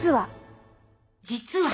実は。